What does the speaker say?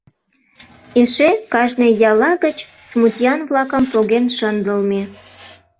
Эше кажне ялла гыч смутьян-влакым поген шындылме.